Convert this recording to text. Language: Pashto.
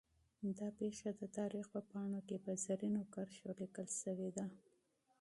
دا واقعه د تاریخ په پاڼو کې په زرینو کرښو لیکل شوې ده.